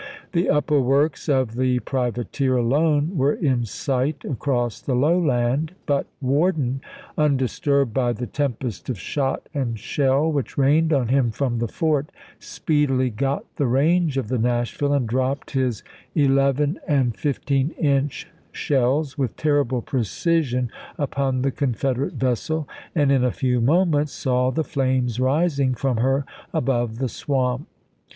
The upper works of the pri vateer alone were in sight across the low land, but Worden, undisturbed by the tempest of shot and shell which rained on him from the fort, speedily got the range of the Nashville and dropped his 11 and 64 ABKAHAM LINCOLN CHAP. ill. March i 15 inch shells with terrible precision upon the Con federate vessel, and in a few moments saw the flames rising from her above the swamp.